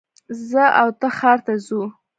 زه او ته ښار ته ځو